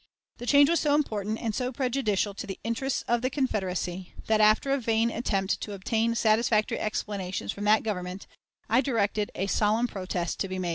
The change was so important and so prejudicial to the interests of the Confederacy that, after a vain attempt to obtain satisfactory explanations from that Government, I directed a solemn protest to be made.